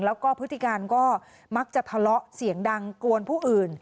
แล้วก็พฤติการก็มักจะทะเลาะเสียงดังกวนผู้อื่น